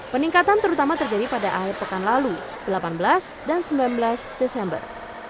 peningkatan terutama terjadi pada akhir pekan lalu delapan belas dan sembilan belas desember